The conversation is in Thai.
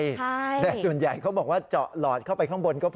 ใช่แต่ส่วนใหญ่เขาบอกว่าเจาะหลอดเข้าไปข้างบนก็พอ